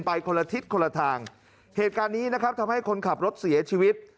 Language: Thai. คนละทิศคนละทางเหตุการณ์นี้นะครับทำให้คนขับรถเสียชีวิต